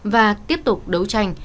và tiếp tục đấu tranh